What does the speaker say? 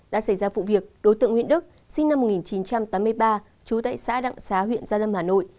đã xảy ra vụ việc đối tượng nguyễn đức sinh năm một nghìn chín trăm tám mươi ba trú tại xã đặng xá huyện gia lâm hà nội